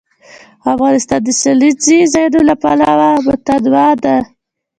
افغانستان د سیلانی ځایونه له پلوه متنوع دی.